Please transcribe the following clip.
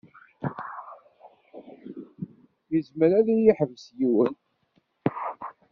Izmer ad yi-d-iḥbes yiwen.